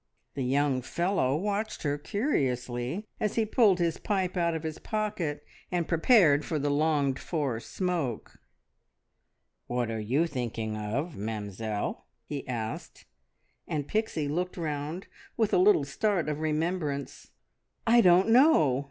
The young fellow watched her curiously as he pulled his pipe out of his pocket and prepared for the longed for smoke. "What are you thinking of, Mamzelle?" he asked; and Pixie looked round with a little start of remembrance. "I don't know.